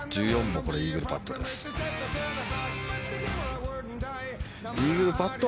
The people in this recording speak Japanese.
１４もイーグルパット。